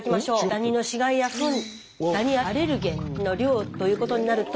ダニの死がいやフンダニアレルゲンの量ということになると。